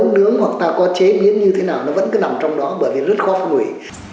thì ta có nấu nướng hoặc ta có chế biến như thế nào nó vẫn cứ nằm trong đó bởi vì rất khó phụ nguy